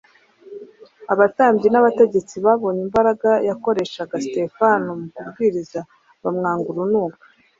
Abatambyi n’abategetsi babonye imbaraga yakoreshaga Sitefano mu kubwiriza bamwanga urunuka.